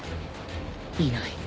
いない。